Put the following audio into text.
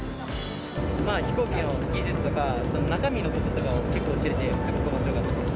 飛行機の技術とか、中身のこととかを結構知れて、すごくおもしろかったです。